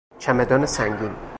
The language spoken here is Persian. چمدان سنگین